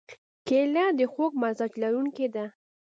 کېله د خوږ مزاج لرونکې ده.